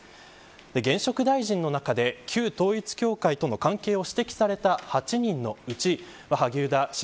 現職大臣の中で旧統一教会との関係を指摘された８人のうち萩生田氏